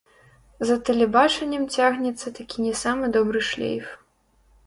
За тэлебачаннем цягнецца такі не самы добры шлейф.